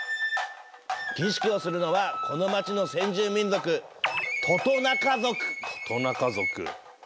儀式をするのはこの街の先住民族トトナカ族。